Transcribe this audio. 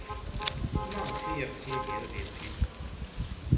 Maɣef ay yeɣs Yidir ad yeqqim?